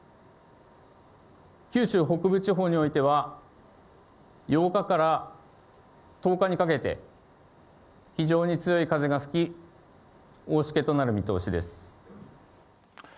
九州北部地方においては、８日から１０日にかけて、非常に強い風が吹き、大しけとなる見通しです。